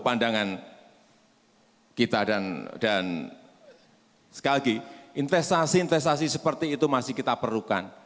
pandangan kita dan sekali lagi investasi investasi seperti itu masih kita perlukan